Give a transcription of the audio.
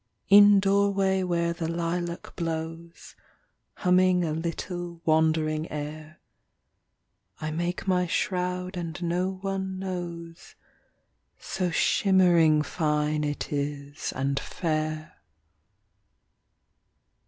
In door way where the lilac blows, Humming a little wandering air, I make my shroud and no one knows, So shimmering fine it is and fair.